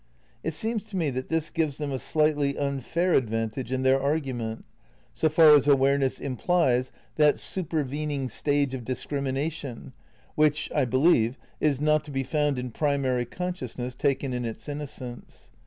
It seems to me that this gives them a slightly imfair advantage in their argument, so far as Aware ness implies that supervening stage of discrimination, which, I believe, is not to be found in primary conscious ness taken in its innocence.